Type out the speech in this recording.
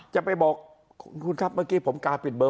จะไปบอกคุณครับเมื่อกี้ผมกล้าปิดเบอร์